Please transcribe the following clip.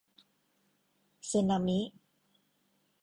สึนามิ